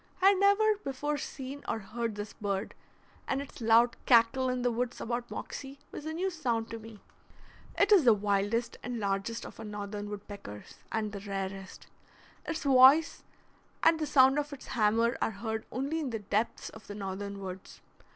I had never before seen or heard this bird, and its loud cackle in the woods about Moxie was a new sound to me. It is the wildest and largest of our northern woodpeckers, and the rarest. Its voice and the sound of its hammer are heard only in the depths of the northern woods.